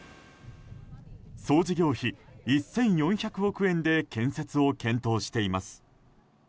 総事業費１４００億円で建設を検討しています。